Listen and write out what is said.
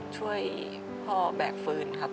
ช่วยพ่อแบกฟื้นครับ